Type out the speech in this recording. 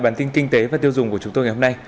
bản tin kinh tế và tiêu dùng của chúng tôi ngày hôm nay